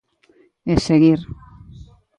E seguir.